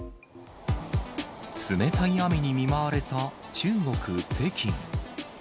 冷たい雨に見舞われた中国・北京。